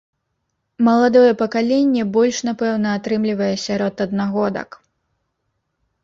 Маладое пакаленне больш, напэўна, атрымлівае сярод аднагодак.